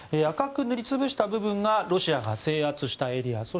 赤く塗り潰した部分がロシアが制圧したエリア。